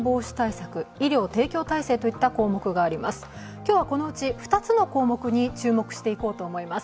今日はこのうち、２つの項目に注目していきます。